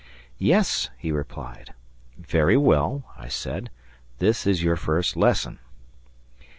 "Yes," he replied. "Very well," I said, "this is your first lesson."